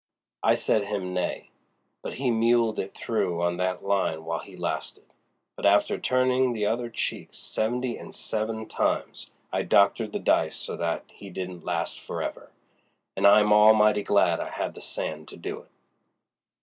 I said him nay, but he muled it through on that line while he lasted; but after turning the other cheek seventy and seven times I doctored the dice so that he didn't last forever. And I'm almighty glad I had the sand to do it."